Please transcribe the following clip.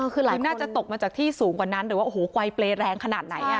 คือน่าจะตกมาจากที่สูงกว่านั้นหรือว่าโอ้โหไกลเปรย์แรงขนาดไหน